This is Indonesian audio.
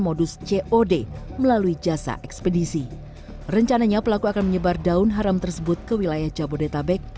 modus cod melalui jasa ekspedisi rencananya pelaku akan menyebar daun haram tersebut ke wilayah jabodetabek